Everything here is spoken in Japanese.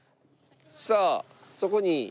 さあそこに。